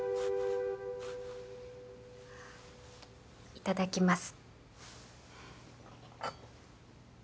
いただきます。